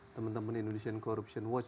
teman teman indonesian corruption watch